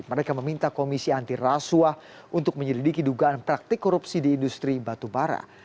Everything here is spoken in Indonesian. mereka meminta komisi antirasuah untuk menyelidiki dugaan praktik korupsi di industri batu bara